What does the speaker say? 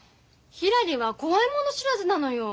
ひらりは怖いもの知らずなのよ。